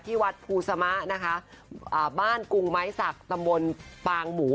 วัดภูสมะนะคะอ่าบ้านกรุงไม้สักตำบลปางหมู